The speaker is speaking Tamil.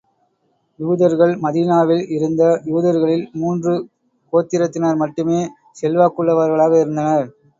யூதர்கள் மதீனாவில் இருந்த யூதர்களில், மூன்று கோத்திரத்தினர் மட்டுமே செல்வாக்குள்ளவர்களாக இருந்தனர்.